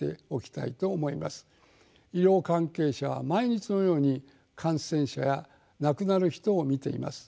医療関係者は毎日のように感染者や亡くなる人を見ています。